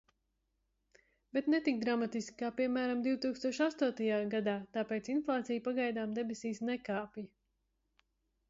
Bet ne tik dramatiski, kā piemēram divtūkstoš astotajā gadā, tāpēc inflācija pagaidām debesīs nekāpj.